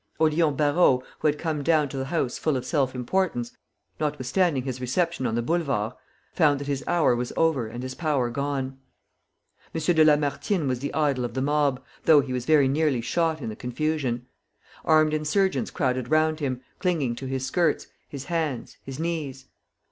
Odillon Barrot, who had come down to the house full of self importance, notwithstanding his reception on the Boulevards, found that his hour was over and his power gone. M. de Lamartine was the idol of the mob, though he was very nearly shot in the confusion. Armed insurgents crowded round him, clinging to his skirts, his hands, his knees.